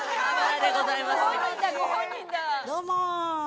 どうも。